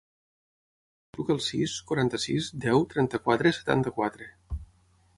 Truca al sis, quaranta-sis, deu, trenta-quatre, setanta-quatre.